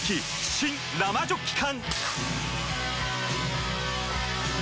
新・生ジョッキ缶！